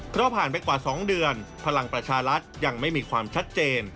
เพราะผ่านไปกว่า๒เดือนพลังประชารัฐยังไม่มีความชัดเจน